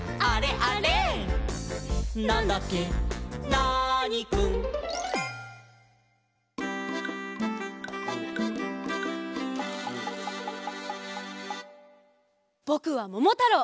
ナーニくん」ぼくはももたろう！